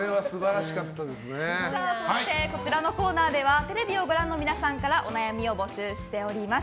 そしてこのコーナーではテレビのご覧の皆さんからお悩みを募集しています。